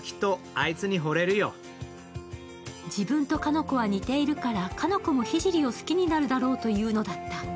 自分と鹿ノ子は似ているから、鹿ノ子も聖を好きになるだろうと言うのだった。